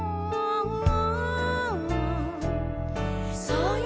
「そうよ